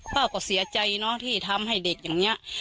ป้าก็เสียใจเนอะที่ทำให้เด็กอย่างนี้